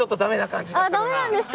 あっダメなんですか？